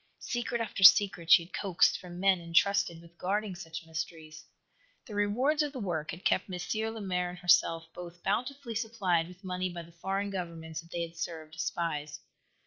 Secret after secret she had coaxed from men entrusted with guarding such mysteries. The rewards of the work had kept M. Lemaire and herself both bountifully supplied with money by the foreign governments that they had served as spies.